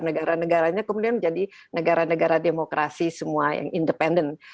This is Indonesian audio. negara negaranya kemudian menjadi negara negara demokrasi semua yang independen